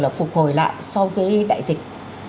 là phục hồi lại sau cái đại dịch